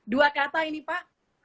dua kata ini pak